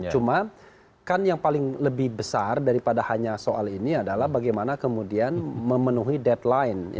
cuma kan yang paling lebih besar daripada hanya soal ini adalah bagaimana kemudian memenuhi deadline